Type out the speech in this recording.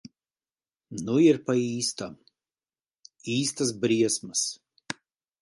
Nu ir pa īstam. Īstas briesmas.